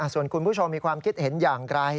ส่วนคุณผู้ชมมีความคิดเห็นอย่างไร